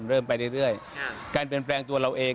เริ่มไปเรื่อยการเปลี่ยนแปลงตัวเราเอง